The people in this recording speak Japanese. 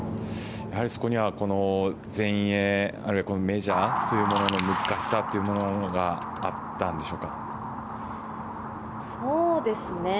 やはり、そこには全英あるいはメジャーというものの難しさというものがあったんでしょうか？